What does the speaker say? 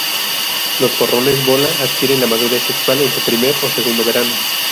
Los porrones bola adquieren la madurez sexual en su primer o segundo verano.